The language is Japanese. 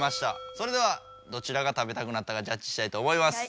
それではどちらが食べたくなったかジャッジしたいと思います。